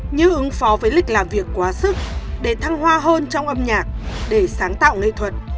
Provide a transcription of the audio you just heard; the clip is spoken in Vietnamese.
như ứng phó với lịch làm việc quá sức để thăng hoa hơn trong âm nhạc để sáng tạo nghệ thuật